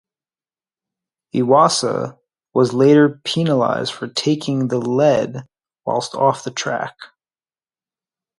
Iwasa was later penalised for taking the lead whilst off the track.